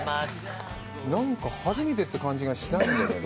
なんか初めてって感じがしないんだけど。